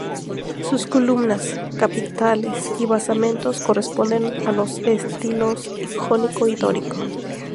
Sus columnas, capiteles y basamentos corresponden a los estilos jónico y dórico.